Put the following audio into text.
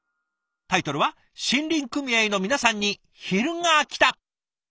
タイトルは「森林組合の皆さんに昼が来た！」。